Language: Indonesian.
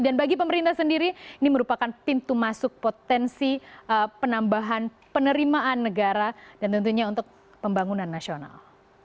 dan bagi pemerintah sendiri ini merupakan pintu masuk potensi penambahan penerimaan negara dan tentunya untuk pembangunan nasional